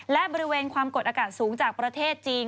และบริเวณความกดอากาศสูงจากประเทศจีน